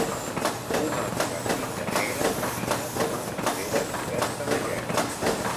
Un home vestit de negre camina per una vorera coberta de gel